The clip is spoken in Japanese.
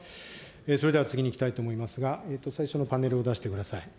それでは次に行きたいと思いますが、最初のパネルを出してください。